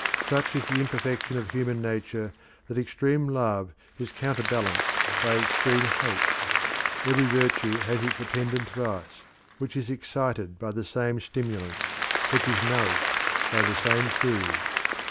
Such is the imperfection of human nature that extreme love is counterbalanced by extreme hate; every virtue has its attendant vice, which is excited by the same stimulants, which is nourished by the same food.